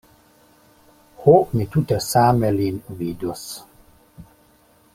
Ho, mi tute same lin vidos.